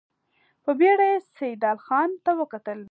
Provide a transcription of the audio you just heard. په بېړه يې سيدال خان ته وکتل.